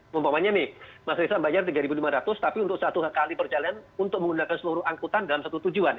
mumpamanya nih mas riza bayar rp tiga lima ratus tapi untuk satu kali perjalanan untuk menggunakan seluruh angkutan dalam satu tujuan